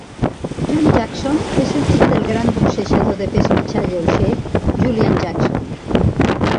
John Jackson és el fill del gran boxejador de pes mitjà lleuger Julian Jackson.